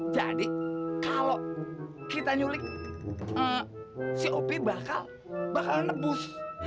jadi kalo kita nyulik si opie bakal bakal nebus